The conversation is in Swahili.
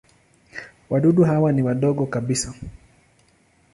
Wadudu hawa ni wadogo kabisa.